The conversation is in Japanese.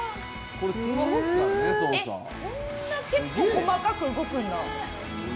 こんな結構細かく動くんだ。